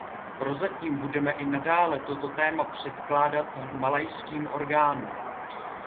Prozatím budeme i nadále toto téma předkládat malajským orgánům.